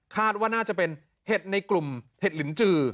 ว่าน่าจะเป็นเห็ดในกลุ่มเห็ดลินจือ